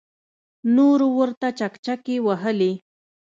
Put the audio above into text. نورو ورته چکچکې وهلې.